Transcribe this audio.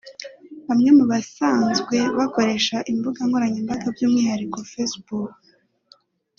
Bamwe mu basanzwe bakoresha imbuga nkoranyambaga by'umwihariko Facebook